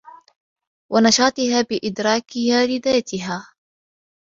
وَنَشَاطِهَا بِإِدْرَاكِ لَذَّاتِهَا